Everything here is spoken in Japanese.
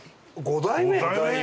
５代目！？